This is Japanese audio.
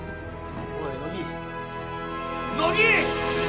おい乃木乃木！